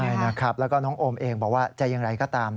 ใช่นะครับแล้วก็น้องโอมเองบอกว่าจะอย่างไรก็ตาม